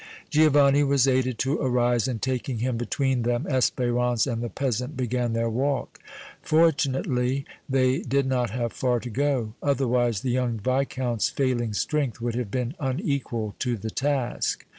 Giovanni was aided to arise, and, taking him between them, Espérance and the peasant began their walk. Fortunately they did not have far to go, otherwise the young Viscount's failing strength would have been unequal to the task.